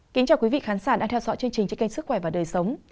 kính chào quý vị khán giả đã theo dõi chương trình trên kênh sức khỏe và đời sống